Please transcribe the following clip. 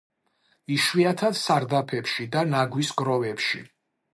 იშვიათად სარდაფებში და ნაგვის გროვებში.